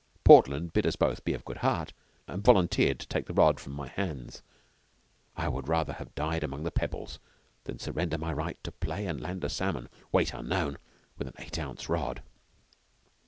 Portland bid us both be of good heart, and volunteered to take the rod from my hands. I would rather have died among the pebbles than surrender my right to play and land a salmon, weight unknown, with an eight ounce rod.